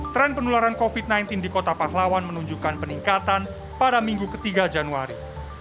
tren penularan covid sembilan belas di kota pahlawan menunjukkan peningkatan pada minggu ketiga januari